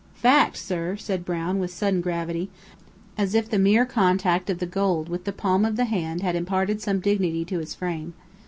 "Fact, sir," said Brown, with a sudden gravity, as if the mere contact of the gold with the palm of the hand had imparted some dignity to his frame.